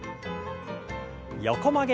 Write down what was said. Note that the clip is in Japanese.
横曲げ。